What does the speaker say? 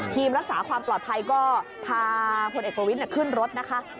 รักษาความปลอดภัยก็พาพลเอกประวิทย์ขึ้นรถนะคะ